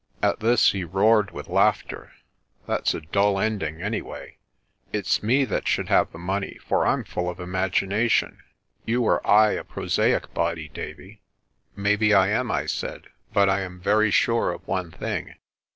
At this he roared with laughter. "That's a dull ending, anyway. It's me that should have the money, for I'm full of imagination. You were aye a prosaic body, Davie." "Maybe I am," I said; "but I am very sure of one thing.